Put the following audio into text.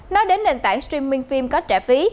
nói đến nền tảng streaming phim có trẻ phí